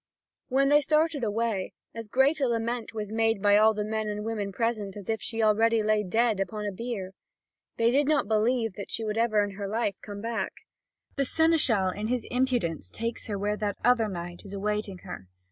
When they started away, as great a lament was made by all the men and women present as if she already lay dead upon a bier. They do not believe that she will ever in her life come back. The seneschal in his impudence takes her where that other knight is awaiting her.